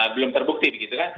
belum terbukti begitu kan